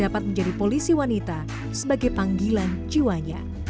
dapat menjadi polisi wanita sebagai panggilan jiwanya